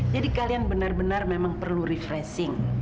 jadi kalian benar benar memang perlu refreshing